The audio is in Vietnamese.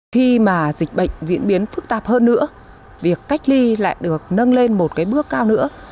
khi mà dịch bệnh diễn biến phức tạp hơn nữa việc cách ly lại được nâng lên một cái bước cao nữa